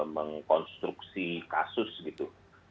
mengkonstruksi kasus gitu